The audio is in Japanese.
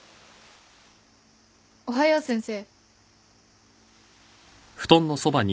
おはよう先生。